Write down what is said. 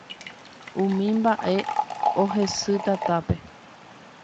Umi mba'e ohesy tatápe